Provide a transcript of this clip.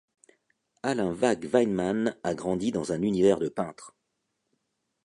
Alain Vagh-Weinmann a grandi dans un univers de peintres.